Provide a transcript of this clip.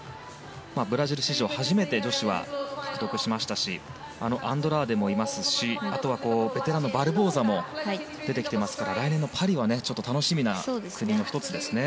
ブラジル史上初めて女子では獲得しましたしアンドラーデもいますしあとは、ベテランのバルボーザも出てきていますから来年のパリでも楽しみな国の１つですね。